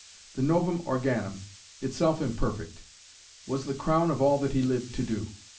The Novum Organum, itself imperfect, was the crown of all that he lived to do.